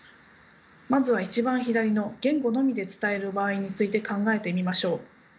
まずは一番左の言語のみで伝える場合について考えてみましょう。